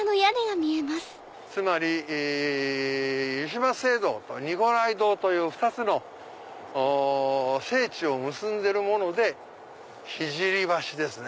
つまり湯島聖堂とニコライ堂という２つの聖地を結んでるもので聖橋ですね。